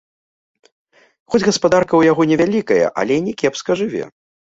Хоць гаспадарка ў яго невялікая, але не кепска жыве.